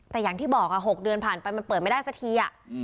แต่อย่างที่บอก๖เดือนผ่านไปมันเปิดไม่ได้สักที